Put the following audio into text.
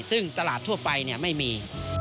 ซึ่งตลาดทั่วไปไม่มี